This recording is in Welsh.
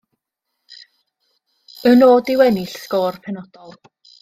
Y nod yw ennill sgôr penodol.